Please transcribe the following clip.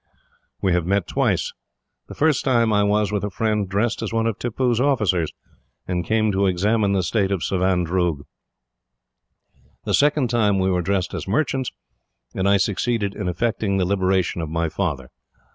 "We have met twice. The first time I was, with a friend, dressed as one of Tippoo's officers, and came to examine the state of Savandroog. The second time we were dressed as merchants, and I succeeded in effecting the liberation of my father.